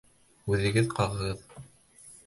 Үҙегеҙ ҡағығыҙ.